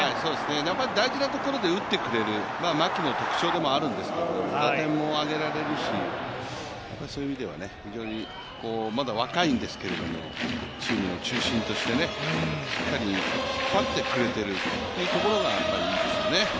やはり大事なところで打ってくれる牧の特徴でもあるんですけど打点も挙げられるし、そういう意味ではまだ若いんですけど、チームの中心としてしっかり引っ張ってくれているというところがいいですよね。